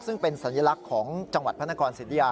ซึ่งเป็นสัญลักษณ์ของจังหวัดพระนครสิทธิยา